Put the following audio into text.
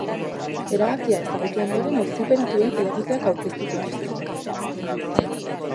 Erabakia ezagutu ondoren, auziperatuek helegiteak aurkeztu zituzten.